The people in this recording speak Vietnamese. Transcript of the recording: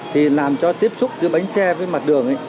thì làm cho tiếp xúc giữa bánh xe với mặt đường